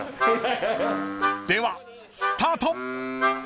［ではスタート］